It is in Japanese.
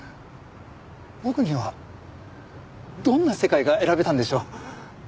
僕にはどんな世界が選べたんでしょう？